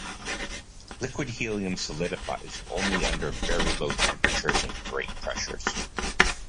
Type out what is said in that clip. Liquid helium solidifies only under very low temperatures and great pressures.